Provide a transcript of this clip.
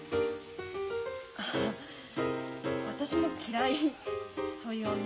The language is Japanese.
あ私も嫌いそういう女。